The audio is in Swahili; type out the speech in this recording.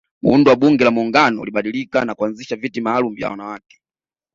Muundo wa bunge la muungano ulibadilika na kuanzisha viti malumu vya wanawake